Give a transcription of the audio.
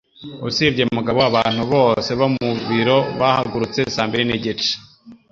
Usibye Mugabo, abantu bose bo mu biro bahagurutse saa mbiri n'igice.